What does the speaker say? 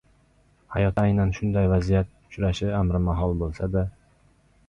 Hayotda aynan shunday vaziyat uchrashi amrimahol boʻlsa-da